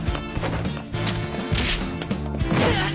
うっ！